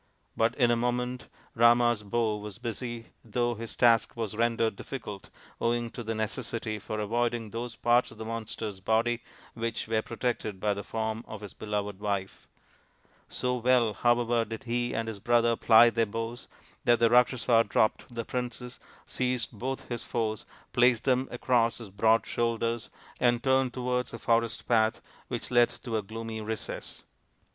But in a moment Rama's bow was busy though his task was rendered difficult owing to the necessity for avoiding those parts of the monster's body which 22 THE INDIAN STORY BOOK were protected by the form of his beloved wife. So well, however, did he and his brother ply their bows, that the Rakshasa dropped the princess, seized both his foes, placed them across his broad shoulders, and turned towards a forest path which led into a gloomy recess.